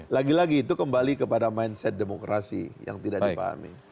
lagi lagi itu kembali kepada mindset demokrasi yang tidak dipahami